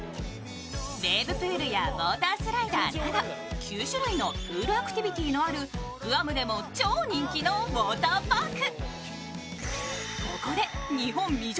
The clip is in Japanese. ウェーブプールやウォータースライダーなど９種類のプールアクティビティーのあるグアムでも超人気のウォーターパーク。